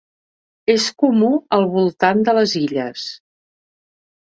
És comú al voltant de les illes.